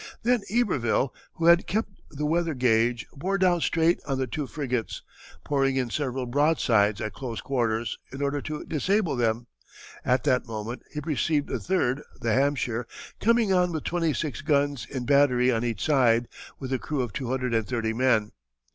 Then Iberville, who had kept the weather gauge, bore down straight on the two frigates, pouring in several broadsides at close quarters in order to disable them. At that moment he perceived the third, the Hampshire, coming on with twenty six guns in battery on each side, with a crew of two hundred and thirty men.